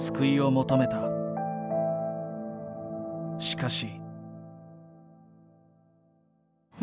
しかし。